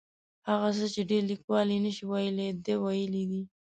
هغه څه چې ډېر لیکوال یې نشي ویلی ده ویلي دي.